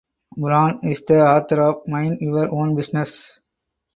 Brann is the author of Mind Your Own Business.